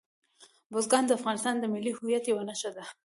بزګان د افغانستان د ملي هویت یوه نښه ده.